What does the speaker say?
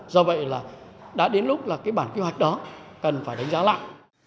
do vậy là đã đến lúc là cái bản kế hoạch đó cần phải đánh giá lại